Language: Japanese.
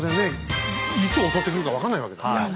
いつ襲ってくるか分かんないわけだよね。